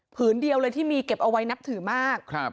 เดียวเลยที่มีเก็บเอาไว้นับถือมาก